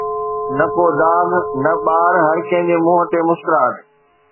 نه ڪو داغ، نه بار، هر ڪنهن جي منهن تي مسڪراهٽ.